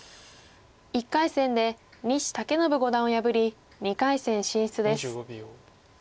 １回戦で西健伸五段を破り２回戦進出です。